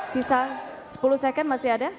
sisa sepuluh second masih ada